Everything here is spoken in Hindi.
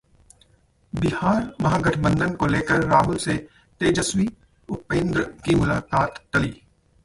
बिहार: महागठबंधन को लेकर राहुल से तेजस्वी, उपेंद्र की मुलाकात टली